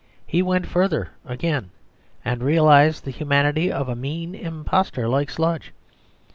He went further again, and realised the humanity of a mean impostor like Sludge.